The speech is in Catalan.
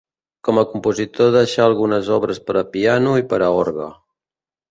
Com a compositor deixà algunes obres per a piano i per a orgue.